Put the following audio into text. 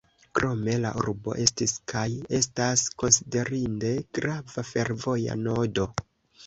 Krome la urbo estis kaj estas konsiderinde grava fervoja nodo.